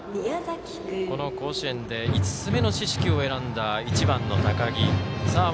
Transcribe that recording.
この甲子園で５つ目の四死球を選んだ１番の高木。